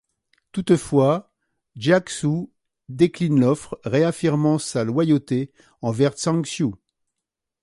Toutefois, Jia Xu décline l'offre, réaffirmant sa loyauté envers Zhang Xiu.